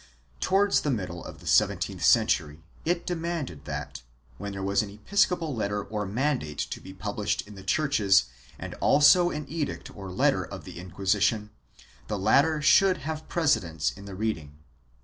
Towards the middle of the seventeenth century it demanded that, when there was an epis copal letter or mandate to be published in the churches and also an edict or letter of the Inquisition, the latter should have precedence in the reading.